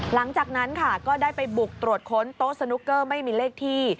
หลังจากนั้นค่ะก็ได้ไปบุกตรวจค้นโต๊ะสนุกเกอร์ไม่มีเลขที่